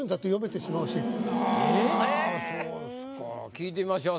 聞いてみましょう。